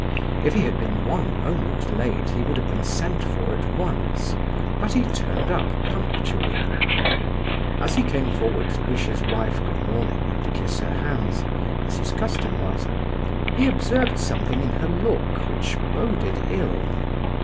If he had been one moment late, he would have been sent for at once; but he turned up punctually. As he came forward to wish his wife good morning and kiss her hands, as his custom was, he observed something in her look which boded ill.